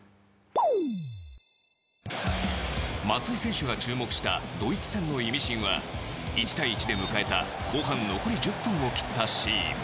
松井選手が注目したドイツ戦のイミシンは１対１で迎えた後半残り１０分を切ったシーン。